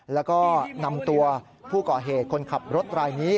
แล้วก็นำตัวผู้ก่อเหตุคนขับรถรายนี้